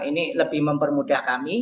ini lebih mempermudah kami